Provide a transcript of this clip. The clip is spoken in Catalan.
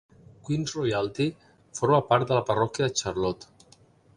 Queens Royalty forma part de la parròquia de Charlotte.